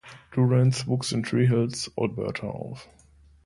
Durance wuchs in Three Hills, Alberta auf.